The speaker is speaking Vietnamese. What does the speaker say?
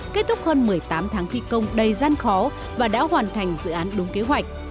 kết thúc hơn một mươi tám tháng thi công đầy gian khó và đã hoàn thành dự án đúng kế hoạch